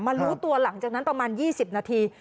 รู้ตัวหลังจากนั้นประมาณ๒๐นาที